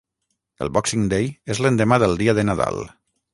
El Boxing Day és l'endemà del dia de Nadal.